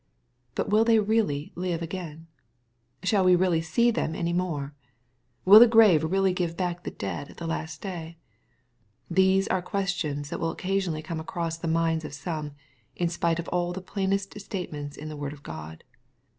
But will they really live again ? Shall^we really see them any more ?^ ^Will the grave really give back the dead at the last day ? These are questions that will occasionally come across the minds of some, in spite of all the plainest statements in the word of God.